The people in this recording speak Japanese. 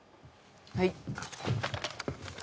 はい。